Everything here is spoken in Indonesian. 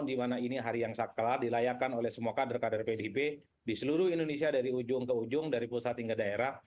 ini diperlukan oleh semua kader kader pdp di seluruh indonesia dari ujung ke ujung dari pusat hingga daerah